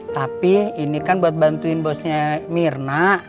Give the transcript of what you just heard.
tapi ini kan buat bantuin bosnya mirna